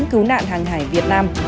cứu nạn hàng hải việt nam